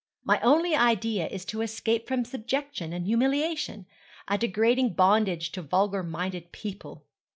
My only idea is to escape from subjection and humiliation a degrading bondage to vulgar minded people.'